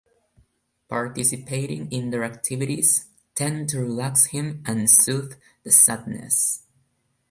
Participating in their activities tend to relax him and sooth the sadness.